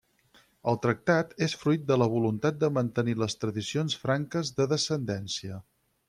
El tractat és fruit de la voluntat de mantenir les tradicions franques de descendència.